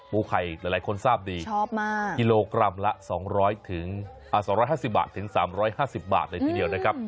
ไข่หลายคนทราบดีชอบมากกิโลกรัมละ๒๕๐บาทถึง๓๕๐บาทเลยทีเดียวนะครับ